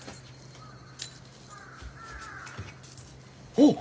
おっ！